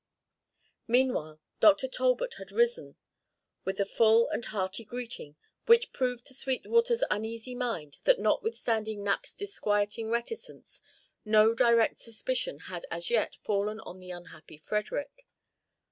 Meanwhile Dr. Talbot had risen with a full and hearty greeting which proved to Sweetwater's uneasy mind that notwithstanding Knapp's disquieting reticence no direct suspicion had as yet fallen on the unhappy Frederick.